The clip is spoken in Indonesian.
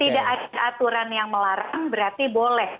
tidak ada aturan yang melarang berarti boleh